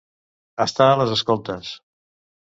Estar a les escoltes.